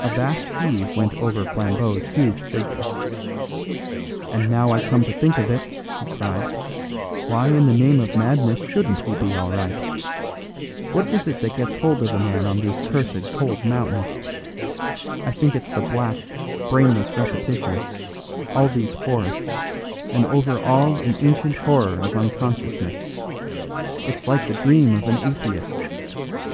A vast heave went over Flambeau's huge figure. "And now I come to think of it," he cried, "why in the name of madness shouldn't he be all right? What is it gets hold of a man on these cursed cold mountains? I think it's the black, brainless repetition; all these forests, and over all an ancient horror of unconsciousness. It's like the dream of an atheist.